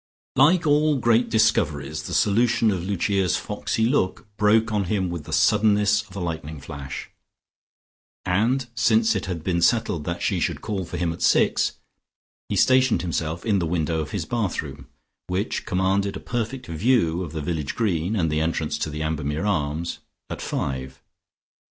Like all great discoveries, the solution of Lucia's foxy look broke on him with the suddenness of a lightning flash, and since it had been settled that she should call for him at six, he stationed himself in the window of his bathroom, which commanded a perfect view of the village green and the entrance to the Ambermere Arms at five.